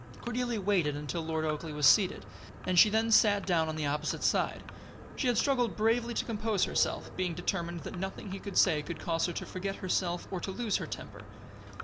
Cordelia waited until Lord Oakleigh was seated; and she then sat down on the opposite side. She had struggled bravely to compose herself, being determined that nothing he could say should cause her to forget herself or to lose her temper.